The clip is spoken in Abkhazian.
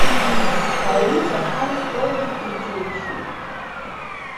Ари заҳаз Толик иџьеишьеит.